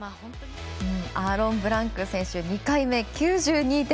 アーロン・ブランク選手２回目、９２．００。